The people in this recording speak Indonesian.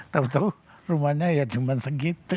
tau tau rumahnya ya cuman segitu